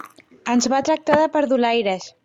Ens va tractar de perdulaires.